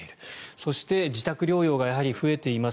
そして、自宅療養がやはり増えています。